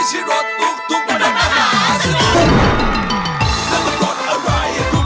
สีสันมันดูน่าสนุก